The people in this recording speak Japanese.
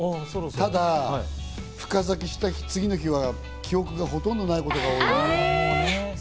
ただ深酒した次の日は記憶がほとんどないことが多い。